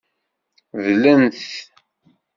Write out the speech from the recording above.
Dlen-t.